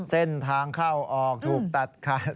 เส้นทางเข้าออกถูกตัดขาด